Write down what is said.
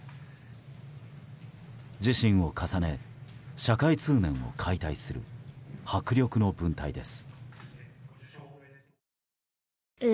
自身を重ね社会通念を解体する迫力の文体です。